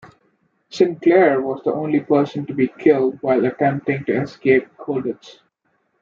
Sinclair was the only person to be killed while attempting to escape Colditz.